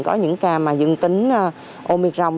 có những ca mà dương tính omicron